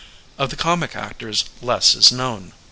Of the comic actors less is known.